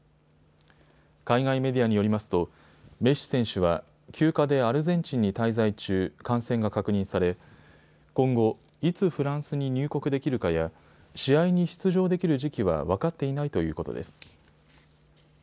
海外メディアによりますとメッシ選手は休暇でアルゼンチンに滞在中、感染が確認され今後、いつフランスに入国できるかや試合に出場できる時期は分かっていないということです。